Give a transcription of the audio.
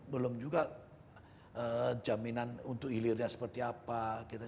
belum juga jaminan untuk hilirnya seperti apa gitu